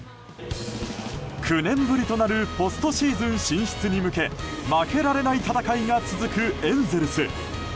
９年ぶりとなるポストシーズン進出に向け負けられない戦いが続くエンゼルス。